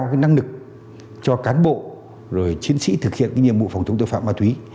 nâng cao năng lực cho cán bộ rồi chiến sĩ thực hiện nhiệm vụ phòng chống tội phạm ma túy